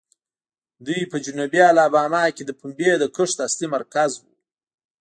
دوی په جنوبي الاباما کې د پنبې د کښت اصلي مرکز وو.